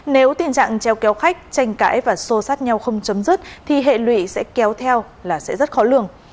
nếu tình trạng treo kéo khách tranh cãi và xô sát nhau không chấm dứt thì hệ lụy sẽ kéo theo là sẽ rất khó lường